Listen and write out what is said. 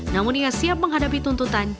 namun ia siap menghadapi tuntutan